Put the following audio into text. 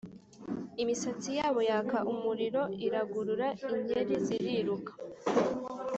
imisatsi yabo yaka umuriro iraguruka, inkeri ziriruka--